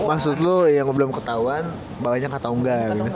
maksud lo yang belum ketahuan maksudnya kata engga gitu